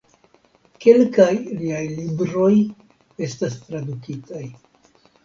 Kelkaj liaj libroj estas tradukitaj.